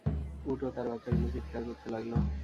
উট ও তার বাচ্চাগুলো চিৎকার করতে লাগল।